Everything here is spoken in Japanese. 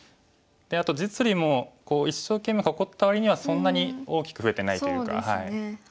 あと実利もこう一生懸命囲った割にはそんなに大きく増えてないというか。